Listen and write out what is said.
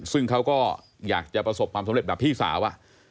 ซึ่งเขาก็อยากจะประสบความสำเร็จแบบพี่สาว